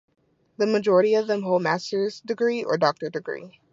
The majority of them hold master's degree or doctor degree.